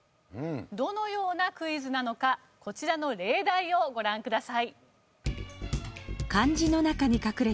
どのようなクイズなのかこちらの例題をご覧ください。